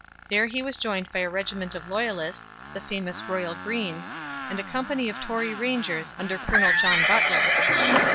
There he was joined by a regiment of loyalists, the famous Royal Greens, and a company of Tory Rangers under Colonel John Butler.